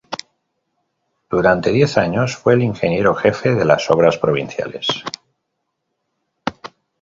Durante diez años fue el ingeniero jefe de las Obras Provinciales.